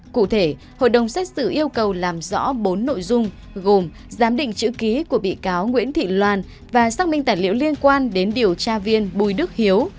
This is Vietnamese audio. cụ thể hội đồng xét xử yêu cầu làm rõ bốn nội dung gồm giám định chữ ký của bị cáo nguyễn thị loan và xác minh tài liệu liên quan đến điều tra viên bùi đức hiếu